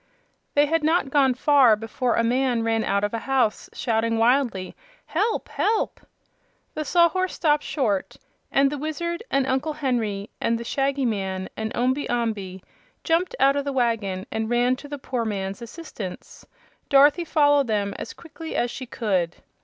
They had not gone far before a man ran out of a house shouting wildly, "Help! Help!" The Sawhorse stopped short and the Wizard and Uncle Henry and the Shaggy Man and Omby Amby jumped out of the wagon and ran to the poor man's assistance. Dorothy followed them as quickly as she could.